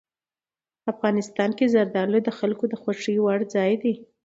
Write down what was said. افغانستان کې زردالو د خلکو د خوښې وړ ځای دی.